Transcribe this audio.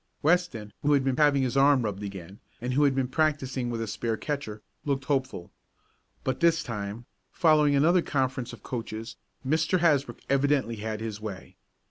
Weston, who had been having his arm rubbed again, and who had been practicing with a spare catcher, looked hopeful. But this time, following another conference of coaches, Mr. Hasbrook evidently had his way.